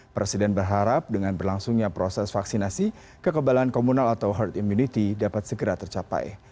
presiden berharap dengan berlangsungnya proses vaksinasi kekebalan komunal atau herd immunity dapat segera tercapai